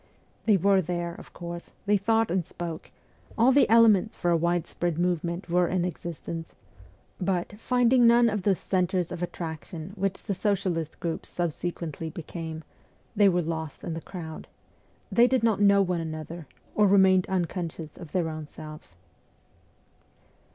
They were there, of course ; they thought and spoke ; all the elements for a widespread movement were in existence ; but, finding none of those centres of attraction which the socialist groups subsequently became, they were lost in the crowd ; they did not know one another, or remained unconscious of their own selves.